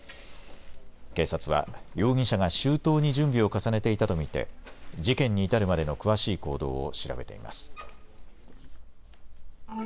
警察は容疑者が周到に準備を重ねていたと見て事件に至るまでの詳しい行動を調べています。